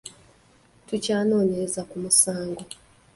Tukyanoonyereza ku munsango.